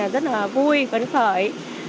rất là vui phấn khởi